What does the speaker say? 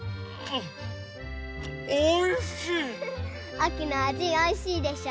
あきのあじおいしいでしょ？